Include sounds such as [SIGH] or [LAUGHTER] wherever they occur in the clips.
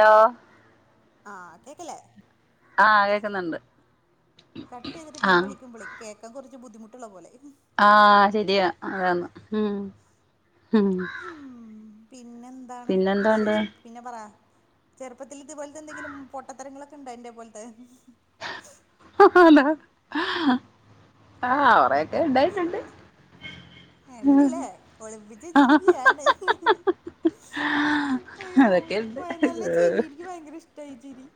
Law ആ കേക്കല്ലേ ആഹ് കേക്കുന്നുണ്ട് കട്ട്യ്തിട്ട് പിന്നെ ആഹ് വിളിക്കുമ്പളി കേക്കാ കുറച്ച് ബുദ്ധിമട്ടുള്ള പോലെ ആഹ ശരിയാ അതന്ന് ഉം ഉം ഉ പിന്നെ എന്താണ് ബിശേഷം പിന്നെ പറാ ചെറുപ്പത്തിൽ ഇത് പോലത്തെ എന്തെങ്കിലും പൊട്ടത്തരങ്ങളൊക്കെ ഉണ്ടോ എന്റെ പോലത്തെ ആലാ അവറൊക്കെ ഉണ്ടായിട്ടുണ്ട്. കണ്ടില്ലേ ഒളിപ്പിച് വെച്ചിരിക്കാണ്. അയ്യോ അതൊക്കെയുണ്ട് നല്ല ചിരി എനിക്ക് ഭയങ്കര ഇഷ്ട ചിരി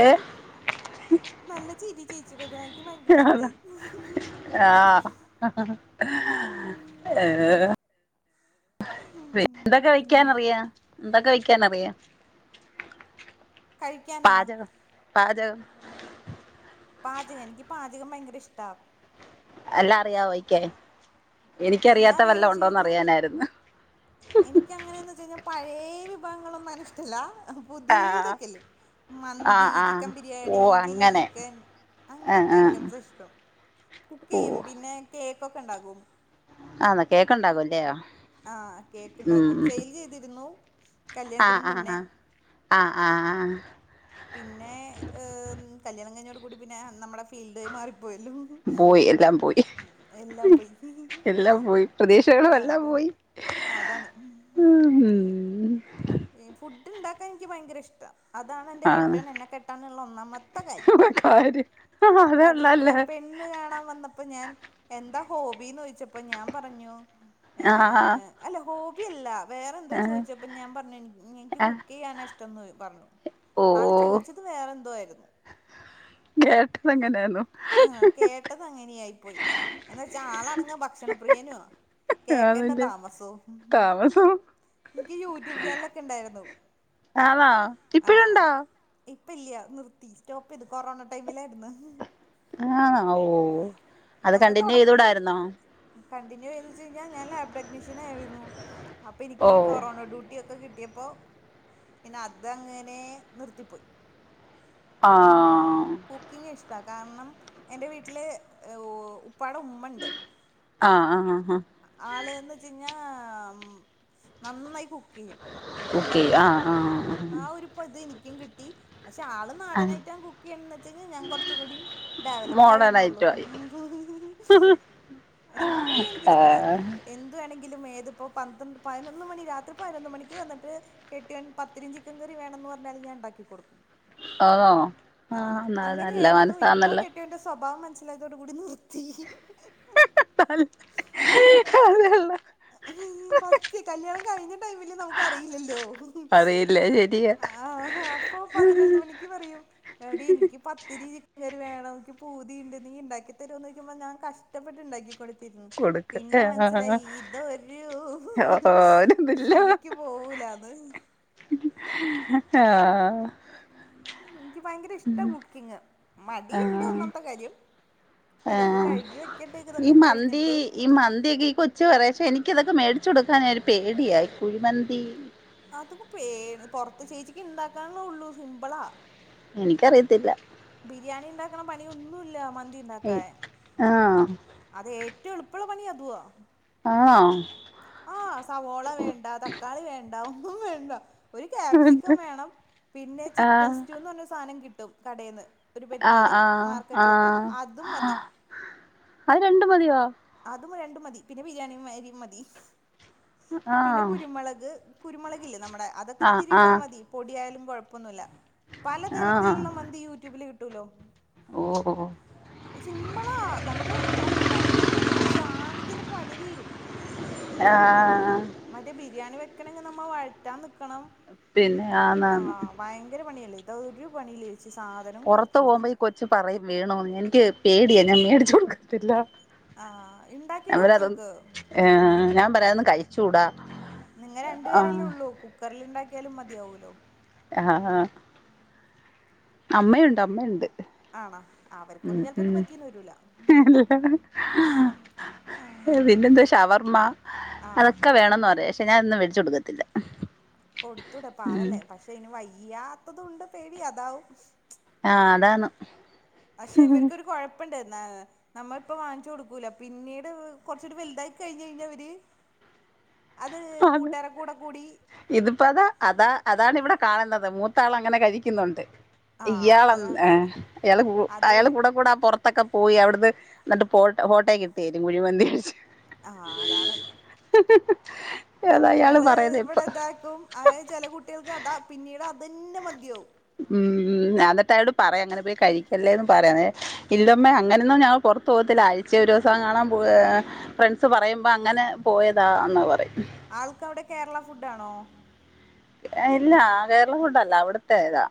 ഏഹ് നല്ല ചീരി ചേച്ചിടേ ആഹ ഏ എന്തൊക്കെ പിന്നെ വെക്യാനറിയാ എന്തൊക്കെ വെക്യാനറിയാ കഴിക്കാനാ പാജകം പാജക പാചകം എനിക്ക് പാചകം ഭയങ്കര ഇഷ്ട എല്ലാം അറിയാവോയികാൻ എല്ലാം എനിക്കറിയാത്ത അറിയാന്ന് വല്ല ഉണ്ടോന്ന് അറിയാനായിരുന്നു. എനിക്ക് അങ്ങനെയന്ന് വെച് കഴിഞ്ഞാൽ പഴയേ വിഭവങ്ങളൊന്നുംന ഇഷ്ടല്ല ആഹ് പുതിയതൊക്കെയല്ലേ മന്തി ആഹ് ചിക്കൻ ആഹ് ബിരിയാണി ഓഹ് ചില്ലി അങ്ങനെ ചിക്കൻ ആഹ് അങ്ങനത്തെ ആഹ് ഐറ്റംസ ഇഷ്ടം കുക്ക് ചെയ്യും ഓഹ് പിന്നെ കേക്ക്ക്കെ ഉണ്ടാകും ആന്നാ കേക്കണ്ടാകുംല്ലയോ? ആഹ കേക്ക്ണ്ടാക്കും സെയിലെയ്തിരുന്നു ആഹ് കല്യാണത്തിന് ആഹ് മുന്നേ ആഹ് ആഹ് ആഹ് പിന്നെ ഏഹ്മ് കല്യാണം കഞ്ഞോട് കൂടി പിന്നെ നമ്മുടെ ഫീൽഡ് മാറിപ്പോയല്ലോ പോയി എല്ലാം എല്ലാം പോയി എ പോയി പ്രതീക്ഷകളു എല്ലാം പോയി അ അതാണ് ഉം ഫുഡ് ഇണ്ടാക്കാൻ ഇൻക്ക് ഭയങ്കര ഇഷ്ടാ അതാണ് എന്റെ ആണ് കെട്ട്യോൻ എന്നെ കെട്ടാനുള്ള ഒന്നാമത്തെ കാര്യം കാര്യം അതക്ക അതള്ളല്ലേ പെ ണ്ണു കാണാൻ വന്നപ്പോ ഞാൻ എന്താ ഹോബീന്ന് ചോദിച്ചപ്പോ ഞാൻ പറഞ്ഞു ഏ ആഹ് അല്ല ഹോബി അല്ല വേറെന്തോ ആഹ് ചോദിച്ചപ്പ ഞാൻ പറ ൻ ൻക്ക് ആഹ് കുക്ക് ചെയ്യാനാ ഇഷ്ടംന്ന് പറഞ്ഞു ഓ ആള് ചോദിച്ചത് വേറെ എന്തോ ആയ്രുന്നു കേട്ടത് അങ്ങനെയാന്നു ആ കേട്ടത് അങ്ങനെയായി പോയി എന്നാ വച്ചാ ആളണങ്ങി ഭക്ഷണപ്രിയനു കേക്കേണ്ട അതിന്റെ താമസൊ താമസം നിൻക്ക് യൂ ട്യൂബ് ചാനലൊക്കെ ഇണ്ടായിരുന്നു ആണോ ആ ഇപ്പഴുണ്ടോ ഇപ്പ ഇല്ല നിർത്തി സ്റ്റോപ്പയ്ത് കൊറോണ ടൈമിലായിരുന്നു ആ ഓ അത് നമ്മൾ കണ്ടിന്യൂ തൊടക്ക് ചെയ്തൂടായിരുന്നോ കണ്ടിന്യൂ ചെയ്ന്ന് വെച്ച് കഴിഞ്ഞാ ഞാൻ ലാബ് ടെക്നീഷ്യനായിരുന്നു അപ്പ ഓ എനിക്ക് കൊറോണോ ഡ്യൂട്ടി ട്ടിയൊക്കെ കിട്ടിയപ്പോ പിന്നെ അതങ്ങനേ നിർത്തിപ്പോയി. ആഹ്. കുക്കിങ്ങിഷ്ടാ കാരണം, എൻ്റെ വീട്ടില് ഈഹ് ഉപ്പാട ഉമ്മണ്ട്. ആഹ് ആഹ് അഹ് ആള്ന്ന് വെച്ചയിഞ്ഞാ നന്നായി കുക്കെയ്യും. കുക്കെയ്യും. ആഹ് ആഹ്. ആ ഒരു ഇപ്പ എനിക്കും കിട്ടി. പക്ഷെ ആള് ആഹ് നാടനൈറ്റം കുക്ക് ചെയ്യണന്ന് വെച്ചയിഞ്ഞാ ഞാൻ കൊർച്ചും കൂടിയും മോഡേൺ ഡെവലപ്പായിന്നേള്ളു. ആയിട്ടും ആയി പക്ഷെ കുക്ക് ചെയ്യാൻ എനിക്കിഷ്ടാ. ആഹ് എന്ത്‌ ന്ത്‌ വേണെങ്കിലും ഏതിപ്പോ പന്ത്രണ്ട് പതിനൊന്ന് മണി രാത്രി പതിനൊന്ന് മണിക്ക് വന്നിട്ട് കെട്ടിയോൻ പ ത്തിരിയും ചിക്കൻ കറിയും വേണന്ന് പറഞ്ഞാലും ഞാൻ ഇണ്ടാക്കി കൊടുക്കും. ആണോ ആഹ് ന നല്ല അങ്ങനെയായിരുന്നു. ഇപ്പൊ മനസ്സാന്നല്ലോ കെട്ടിയോന്റെ സ്വഭാവം മനസ് സിലായതോട് കൂടി നിർത്തി. അല് അതല് ഫസ്റ്റ് കല്യാണം കഴിഞ്ഞ ടൈമില് നമുക്കറിയില്ലല്ലോ. അറിയില്ല ശരിയാ ആഹ് ഹാ അപ്പൊ പതിനൊന്ന് മണിക്ക് പറയും എടീ ഇൻക്ക് പത്തിരീ ചിക്കൻ കറി വേണം ഇൻക്ക് പൂതീണ്ട് നീ ഇണ്ടാക്കി തരോന്നോയിക്കുമ്പോ ഞാൻ കഷ്ടപ്പെട്ട്ണ്ടാക്കി കൊടുത്തിരുന്നു. കൊടുക്ക് പിന്നെ ആഹ് മനസ്സിലായി ഇതൊരു ഓര്തില്ല ശരിക്കു പോവൂലാന്ന്. ആഹ്. ഇനിക്ക് ഭയങ്കര ഇഷ്ടാ കുക്കിങ്ങ്. മടിയ്ണ്ട് ആഹ് ഒന്നാമത്തെ കാര്യം. ഇതൊക്കെ ആഹ് കഴുകി വെക്കടണ്ടെ ഈ ഇതൊക്കെ മന്തി കഴിഞ്ഞിട്ട് ഈ മന്തിയൊക്കെ ഈ കൊച്ചു പറയും. പക്ഷെ എനിക്ക്‌ ഇതൊക്കെ മേടിച്ചു കൊടുക്കാനൊരു പേടിയാ, ഈ കുഴിമന്തി അതിപ്പോ പേര് പൊർത്ത്, ചേച്ചിക്ക് ഇണ്ടാക്കാനല്ലേ ഉള്ളൂ സിംമ്പിളാ. എനിക്കറിയത്തില്ല. ബിരിയാണി ഇണ്ടാക്കണ പണിയൊന്നുല്ല മന്തി ഇണ്ടാക്കാൻ. ആഹ് അതേറ്റവും എള്പ്പള്ള പണിയു അതുവാ. ആണോ? ആഹ് സവോള വേണ്ട തക്കാളി വേണ്ട ഒന്നും വേണ്ട. ഒരു ക്യാപ്സിക്കം വേണം പിന്നെ ചിക്കൻ ആഹ് സ്റ്റൂന്നറഞ്ഞൊരു സാനം കിട്ടും കടേന്ന്. ഒരു ആഹ് പെട്ടീല് മാർക്കറ്റിലൊക്കെ. ആഹ് അതും മതി. ആഹ് അത് രണ്ടും മതിയോ? അതു രണ്ടും മതി. പിന്നെ ബിരിയാണിയരിയും മതി. പിന്നെ ആഹ് കുരുമൊളക് കുരുമൊളകില്ലെ നമ്മടെ, അതൊക്കെ ആഹ് ഇത്തിരിയിട്ടാ ആഹ് മതി. പൊടിയായാലും കുഴപ്പൊന്നുല്ല. ആഹ് പലതരത്തില്ള്ള മന്തി യൂട്യൂബില് കിട്ടൂലോ. ഓഹ്. സിമ്പിളാ നമുക്ക് പത്ത് പതിനഞ്ച് മിനി റ്റിന്റുള്ളിൽ സാനത്തിന്റെ പണി തീരും. ആഹ് ആഹ്. മറ്റേ ബിരിയാണി വെക്കണെങ്കി നമ്മ വഴറ്റാൻ നിക്കണം. പിന്നെ ആന്നാന്ന് ആഹ്. ഭയങ്കര പണിയല്ലേ? ഇതൊരു പണിയു ഇല്ല ചേ ശ്ശെ സാധന പൊറത്ത് പോമ്പോ ഈ കൊച്ചു പറയും വേണൊന്ന്. എനിക്ക് പേടിയാ ഞാൻ മേടിച്ചു കൊടുക്കത്തില്ല. ആഹ് ഇണ്ടാക്കി കൊടുത്തോക്ക്. ആഹ് ഞാൻ പറയാ നിക് നിങ്ങ രണ്ട് പേരെല്ലേ ആഹ് ഉള്ളൂ കുക്കർൽ ഇണ്ടാക്കിയാലും മതിയാവൂല്ലോ. ആഹ് ആഹ് അമ്മയുണ്ട് അമ്മയുണ്ട് ആണോ ഉം അവർക്കൊന്നും ചിലപ്പോ ഇത് ഉം പറ്റീന്ന് വരൂല പിന്നെന്ത ശവർമ്മ ആഹ് അതൊക്കെ വേണന്ന് പറയാ. ഞാനൊന്നും വേടിച്ച് കൊടുക്കത്തില്ല. കൊടുത്തൂടെ ഉം പാവല്ലേ പക്ഷെ ഇന് വയ്യാത്തതുണ്ട് പേടി അതാവും. ആഹ് അതാണ് അക്ഷെ ഇവർക്കൊരു കൊഴ പ്പണ്ട് ന്നാ നമ്മള് ഇപ്പം വാങ്ങിച്ചു കൊടുക്കൂല പിന്നീട് കൊറച്ചൊര് വലുതായി കഴിഞ്ഞഴിഞ്ഞ അവര് അത് അത് കൂട്ടാര കൂടെ കൂടി ഇതിപ്പോ അതാ അതാ അതാണ് ഇവടെ കാണുന്നത് മൂത്താള അങ്ങനെ കഴിക്ക്ന്നുണ്ട്. ആഹ് ഇയാൾ എൻ അതാ ഹേ അയാൾ കൂ അത് അയാൾ വരും കൂടെ കൂടെ ആഹ് പൊറ ത്തക്കെ പോയി അവടുന്ന് ന്നട്ട് പോട്ട ഹോട്ടേക്കിട്ടയ്തി കുഴിമന്തിച്ച് ആഹ് അതാണ് അതാ അയാൾ നമ്മള് പറയുന്നത് ഇപ്പൊ ഇവടെ താക്കും അഹ് ചെല കുട്ട്യൾക്ക് അതാ പിന്നീട് അതന്നെ മതിയാവും. ഉം ഞാ ന്നട്ട് ആയാളോട് പറയാം അങ്ങനെ പോയി കഴിക്കല്ലേന്ന് പറയാ ങ്ങനെ ഇല്ലമ്മേ അങ്ങനെന്നും ഞങ്ങൾ പൊറത്ത് പോകത്തില്ല ആഴ്ച ഒരുസം കാണാൻ പോകേ. ഫ്രണ്ട്സ് പറയുമ്പോ അങ്ങനെ പോയതാന്ന് പറയും. ആൾക്ക അവടെ കേരള ഫുഡ് ആണോ? ഇല്ല കേരള ഫുഡല്ല അവിടുത്തെ ഏതാ.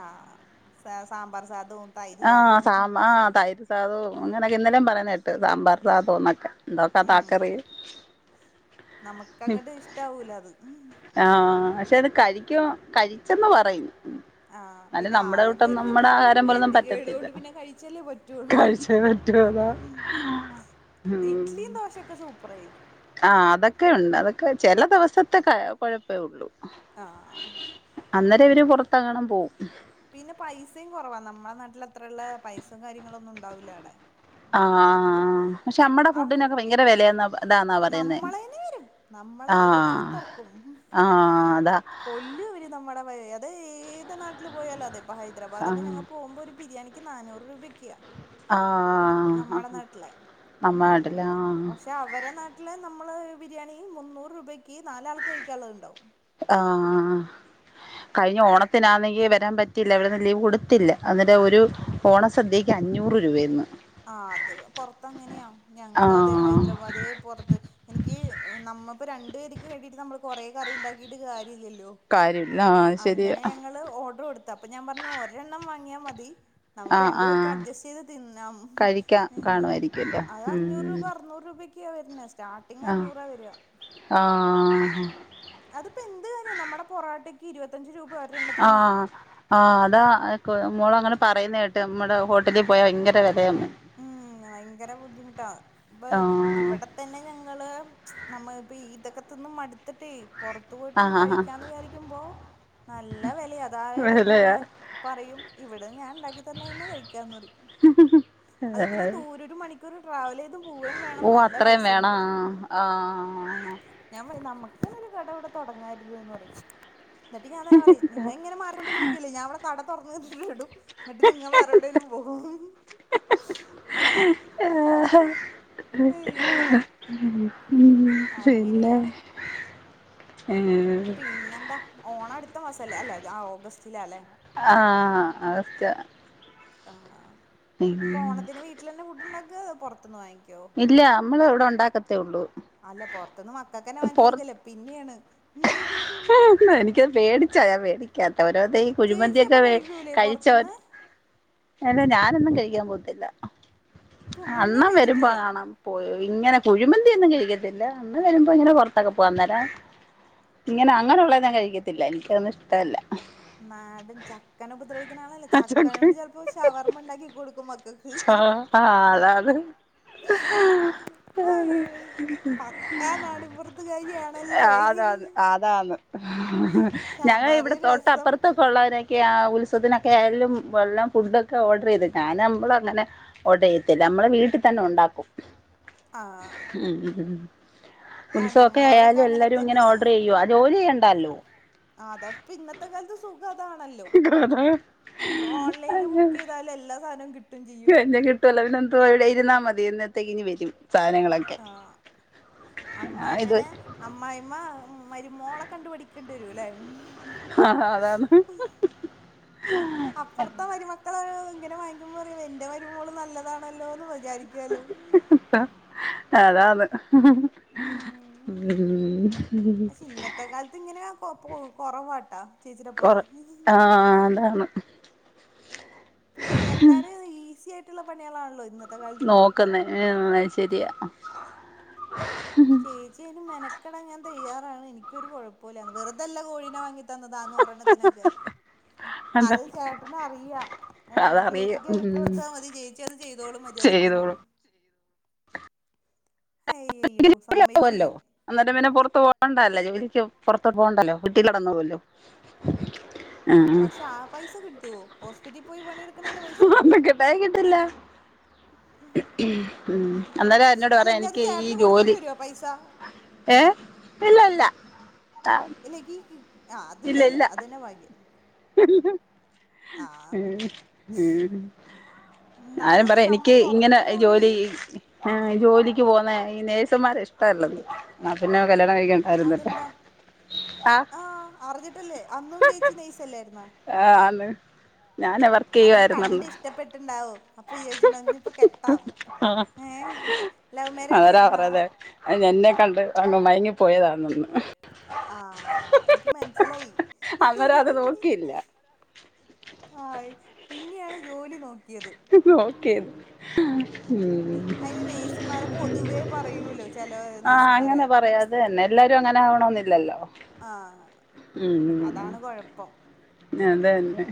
ആഹ് സ സാമ്പാർ സാതും ആഹ് സാമ്പാ ആഹ് തൈര് സാധു അങ്ങനെയൊക്കെ ഇന്നലേം പറയുന്ന കേട്ട് സാമ്പാർ സാധുന്നൊക്കെ എന്തൊക്കെ താക്കറി നമുക്ക്ങ്ങട്ട് ഇഷ്ടവൂല അത് ഉം ആഹ് പക്ഷെ അത് കഴിക്കും കഴിച്ചെന്ന് പറയും. ആഹ് അല്ല പിന്നെ നമ്മടെ ആളെ കൂട്ടൊന്നും ഗതി നമ്മടെ ആഹാരം പോലൊന്നും ഗതികേട് പറ്റത്തില്ല കൊണ്ട് പിന്നെ കഴിച്ചല്ലേ പറ്റുള്ളൂ കാഴച റ്റ് കാണാ ആഹ് ഇഡ്ലിം ദോശക്കെ സൂപ്പർ ആയിരിക്കും. ആഹ് അതക്കെ ഉണ്ട് അതക്കെ ചെല ദിവസത്തെ കഴ കൊഴപ്പേ ഉള്ളു. ആഹ് അന്നേരം ഇവര് പുറത്തകണം പോവും. പിന്നെ പൈസയും കെറവാ നമ്മെ നാട്ടിൽ അത്രയുള്ള പൈസ കാര്യങ്ങളൊന്നും ഉണ്ടാവില്ല അഒടെ. ആഹ് പക്ഷെ നമ്മടെ ഫുഡിനൊക്കെ ഭയങ്കര വെലയന്ന പ നമ്മളേ നേര് നമ്മളത അവര് ആഹ് കഴുത്തറക്കും ആഹ് കൊല്ലും അവര്. നമ്മുടെ മ അത് ഏത് നാട്ടിൽ പോയാലും അതെ ഇപ്പ ആഹ് ഹൈദരാബാദൊക്കെ ഞങ്ങൾ പോകുമ്പോൾ ഒരു ബിരിയാണി ക്ക് നാനൂറ് രൂപയ്ക്ക്യാ. ആഹ് നമ്മടെ നാട്ടിലെ നമ്മാട്ടില പക്ഷെ അവരെ നാ ലെ നമ്മള് ബിരിയാണി മുന്നൂറ് രൂപയ്ക്ക് നാലാ ആൾക്ക് കഴിക്കാള്ളത്ണ്ടാവും. ആഹ് കഴിഞ്ഞ ഓണത്തിനാന്നെങ്കി വരാൻ പറ്റില്ല ഇവിടെന്ന് ലീവ് കൊടുത്തില്ല. അവരെ ഒരു ഒന്നാസദ്യക്ക് അഞ്ഞൂറ് രൂപായിരുന്ന്. ആഹ് അത് പൊറത്തങ്ങനെയാ ആ ഞങ്ങള് അതെ ഹൈദരാബാദില് പൊറത്ത് ൻക്കി നമ്മപ്പ രണ്ട് വെര്ക്ക് വേണ്ടിട്ട് നമ്മള് കൊറേ കറി ഇണ്ടാക്കിട്ട് കാര്യ ഇല്ലല്ലോ. കാര്യമില്ല ആ ശരിയാ അങ്ങനെ ഞങ്ങള് ഓഡ്ര് കൊട്ത്തപ്പ ഞാം പറഞ്ഞു ഒരെണ്ണം വാങ്ങിയാ മതി. ആ നമ്ക്ക് രണ്ട് ആ പേർക്ക് അഡ്ജസ്റ്റെയ്ത് തിന്നാം കഴിക്കാം ഏയ് ഞാം പർ കാണുമായിരിക്കുമല്ലോ അത അഞ്ഞൂറ് ഉം രൂപ അർ ന്നൂർ രൂപെക്ക വെര്ന്ന സ്റ്റാർട്ടിംഗ് അഞ്ഞൂറ വെര ആഹ് അത്പ്പ എന്റ കാര്യ നമ്മട പൊറോട്ടക്ക് ഇരുപത്തഞ്ച് രൂപ ഒരെണ്ണത്ത്ന് ആഹ് അതക്കൊ മോളങ്ങനെ പറേന്നെട്ട് നമ്മ്ട ഹോട്ടലി പോയാ വയ്ങ്കര വെലയാന്ന് ഉം ഭയങ്കര ബുദ്ധിമുട്ടാ ഇപ്പൊ ആ ഇവിടെ തന്നെ ഞങ്ങള് നമ്മ ഇപ്പ ഇതൊക്കത്തന്നന്ന് മടുത്തിട്ടേ പോർത് അത്ത ആ പോയിട്ടൊന്ന് ആ ആ കഴിക്കാന്ന് വിചാരിക്കുമ്പോ നല്ല വെലയ അതാ ആലയിക്കുമ്പോ വിലയാ ഞാൻ പറയും ഇവിടെ ഞാൻ ഉണ്ടാക്കി തന്നെ തന്നെ കഴിക്കാന്ന് പറ അത് ഇത്രയും ദൂര ഒരു മണിക്കൂർ ട്രാവല ഓ അത്രയും വേണ ആഹ് ഞാം പറെം നമ്മ്ക്ക്‌ ഇങ്ങന്നൊര് കട ഇവട തൊടങ്ങാര്ന്ന് എന്ന് പറിം എന്നട്ട് ഞാ തന്ന പറെം നിങ്ങ ഇങ്ങന മാറിക്കൊണ്ടിലിരിക്കല്ലേ ഞാ ഇവട കട തൊറന്ന് ഇടും എന്നട്ട് നിങ്ങ വേറെ എവ്ടെലും പോവും ഏഹാ അയ്യോ പിന്നെ അങ്ങനെയാണ് പിന്നെന്താ ഓണം അടുത്ത മാസല്ലേ അല്ലെ ഓഗസ്റ്റില അല്ലെ ആഹ് അഹ് ആ ഇപ്പ ഓണത്തിന് വീട്ടിൽന്നെ ഫുഡ് ഉണ്ടാക്കുക പുറത്തുന്ന് വാങ്ങിക് ഇല്ല മ്മള് ഇവിടെ ഉണ്ടാക്കത്തേ ഉള്ളൂ അല്ല പൊറത്തൊന്ന് മക്കൾക്കന്നെ വാങ്ങിച്ചു കൊടുക്കല്ലേ പിന്നെയാണ് എനക്ക് പേടിച്ചോ ഞാൻ പേടിക്കാത്ത ഓരോത ഈ ചേച്ചി അപ്പൊ കുഴിമന്തിയൊക്കെ കഴിക്കൂലേ കഴിച്ചോ [UNINTELLIGIBLE] അല്ല ഞാനൊന്നും കഴിക്കാൻ പോത്തില്ല ഇപ്പൊ മുന്നേ അന്നണം വരുമ്പോ കഴിച്ചിട്ടില്ല കാണാം പോ ഇങ്ങനെ കുഴിമന്തി ഒന്നും കഴിക്കത്തില്ല അന്ന് വരുമ്പോ ഇങ്ങനെ പുറത്തൊക്കെ പോകൻന്നേരം ഇങ്ങനെ അങ്ങനെയുള്ളത് ഞാൻ കഴിക്കത്തില്ല എനിക്കതന്ന ഇഷ്ടല്ല മാടൻ ചക്കൻ ഉപദ്രവിക്കാനാണല്ലോ ആ ചക്ക് ചക്കനണ്ട് ചിലപ്പോ ഷവർമ ഉണ്ടാക്കി കൊടുക്കും മക്കക്ക് ആ ആ അതാ അത് അയ്യോ പക്കാ നാടിൻപുറത്തുകാരിയാണല്ലേ അതാന്ന് അതാണ് ഞങ്ങ സാമ്പാറ് ഇവിടെ രസം തോട്ടപ്പുറത്ത ഇ ഉള്ളവരൊക്കെ ആ ഉത്സവത്തിനൊക്കെ ആയാലും വല്ലം ഫുഡൊക്കെ ഓർഡർ ചെയ്തി ഞാൻ നമ്മള അങ്ങനെ ഓർഡർ ചെയ്ത്തില്ല നമ്മള് വീട്ടിൽ തന്നെ ഉണ്ടാക്കും ആഹ് ഉം ഉ ആഹ് ഉത്സവമൊക്കെ ഞങ്ങളവിടൊക്കെ ആയാലും അങ്ങനെ എല്ലാരും ഇങ്ങനെ തന്നെയാ ഓർഡർ ചെയ്യുവോ ജോലി ചെയ്യേണ്ടല്ലോ അതെ പിന്നെ ഇത്തെ കാലത്ത് സുഖതാണല്ലോ ഓൺലൈനിൽ ബുക്കയ്തൽ എല്ലാ സാധനവും കിട്ട കഞ്ഞ കിട്ടുവല്ലോ പിന്നെ എന്ത ഇവിടെ ഇരുന്നാ മതി എന്നത്തെ ഇനിഞ് വരും സാധനങ്ങളൊക്കെ ആഹ് ആ ഇത് അമ്മായിമന അമ്മായിമ്മ മരുമോളെ കണ്ടു പഠിക്കേണ്ടി വരുല്ലേ ആഹ് അതാണ് ഇത്ത മരുമക്കൾ ഇങ്ങനെ വാങ്ങിക്കുമ്പോൾ പറോ എന്റെ മരുമോള് നല്ലതാണല്ലോ എന്ന് വിചാരിക്കാലോ അതാണ് ഉം പക്ഷെ ഇന്നത്തെ കാലത്ത് ഇങ്ങനെ കൊ പോ കൊറവാട്ടാ ചേച്ചിടെ കൊറ പോലെ ആഹ് അതാണ് പിന്നെ ന്നെല്ലാരും ഈസി ആയിട്ടുള്ള പണികളാണല്ലോ ഇന്ന് നോക്കുന്നെ ഏഹ് ശെരിയാ ചേച്ചി അയിന് മെനക്കെടാൻ ഞാൻ തയ്യാറാണ് എനിക്കൊരു കൊഴപ്പുല്ല വെറുതല്ല വെറ്തല്ല കോഴിനെ വാങ്ങി എടുത്തന്നതാ നൂറെണ്ണത്തിനൊക്കെ അതാ അത് ചേട്ടന് അറിയാം ഏഹ് അതറിയും ചേച്ചിക്ക് ഉം വിട്ടൊടുത്താ മതി ചേച്ചി അത് ചെയ്തോളും മര്യാദിക്ക്ന്ന് ചെയ്തോളും അയ്യോ സമ്മയ്ച്ച് ഞാൻ അന്നിട്ട് പിന്നെ പൊറത്ത് പോകണ്ടല്ലോ ജോലിക്ക് പൊറത്ത് പോകണ്ടല്ലോ വീട്ടിലവിടെ നിന്നോളല്ലോ [INAUDIBLE] പക്ഷെ ആ പൈസ കിട്ടോ ഹോസ്പിറ്റി പോയി പണിയെടുക്കുന്നേന്റെ പൈസ കിട്ടോ അതൊക്കെ കിട്ടില്ല ഉം അന്നേരം എന്നോട് [INAUDIBLE] അല്ല പറയാ ഇഞ്ഞത് ചേട്ടന് കൊടുക്കെണ്ടി വരോ പൈസ ഏഹ് ഇല്ല ഇല്ല ആഹ് ഇല്ലങ്കി ഈ ആഹ് അതില്ലല്ലെ അതന്നെ ഭാഗ്യം ആ ഏഹ് ഏഹ് ആരും എന്നാലും പറയാ നമ്മ എനിക്ക് ഇങ്ങനെ പൊറത്ത് പോയി ജോലിയ്യും ആഹ് ജോലിക്ക് പോവുന്ന ഈ നേഴ്സുമാരെ ഇഷ്ട്ടവല്ലന്ന് ഇന്നാ പിന്നെ കല്യാണം കഴിക്ക അതെന്താ, ആഹ് അറിഞ്ഞിട്ടല്ലേ അന്നും ചേച്ചി നേഴ്സെല്ലായിരുന്നോ ആ അന്ന് ഞാനന്ന് വർക്കെയ്യുവായിരുന്നന്ന് ഇഷ്ട്ടപ്പെട്ട്ണ്ടാവും. അപ്പം വിചരിച്ചിണ്ടാവും ഇനിപ്പം കെട്ടാം ഏഹ് ലൗവ് മേരേജായിരുന്നോ അയിന് എന്നെ കണ്ട് അന്ന് മയങ്ങി പോയതാണെന്ന്. ആഹ് ആഹ് ഇൻക്ക് മനസ്സിലായി [INAUDIBLE] അന്നേരം അത് നോക്കിയില്ല ഹായ്, പിന്നെയാണ് ജോലി നോക്കിയത് നോക്കിയത് ഉം അയിന് നേഴ്സുമാരെ പൊതുവേ പറയൂലോ ചെല നെഴ്സുമാരെ അതന്നെ എല്ലാരും അങ്ങനാവണൊന്നില്ലല്ലോ ആഹ് അതാണ് കൊഴപ്പം ഇനതന്നെ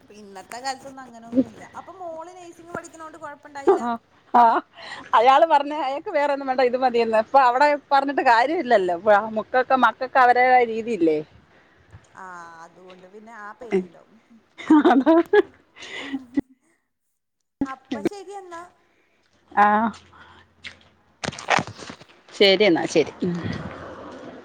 അപ്പ ഇന്നത്തെ കാലത്തൊന്നും അങ്ങനൊന്നുല്ല അപ്പൊ മോള് നേഴ്സിംഗ് പഠിക്ക്ണോണ്ട് കൊഴപ്പണ്ടായില്ല ആഹ് ആഹ് അയാള് പറഞ്ഞെ അയാൾക്ക് വേറൊന്നും വേണ്ട ഇത് മതിയെന്ന് ഇപ്പ അവിടെ പറഞ്ഞിട്ട് കാര്യവില്ലല്ലോ ആഹ് മുക്കൊക്കെ മ ക്കൾക്കവരെതായ രീതിയില്ലേ ആഹ് അതുകൊണ്ട് പിന്നെ ആ പേടി ഇണ്ടാവും [INAUDIBLE] അപ്പ ശെരി എന്നാ ആഹ്. ശെരി. ശെരി എന്നാ ശെരി. [INAUDIBLE]